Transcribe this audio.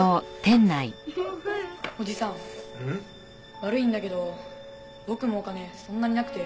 悪いんだけど僕もお金そんなになくて。